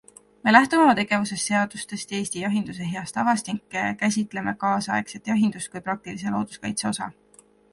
Me lähtume oma tegevuses seadustest ja Eesti jahinduse heast tavast ning käsitleme kaasaegset jahindust kui praktilise looduskaitse osa.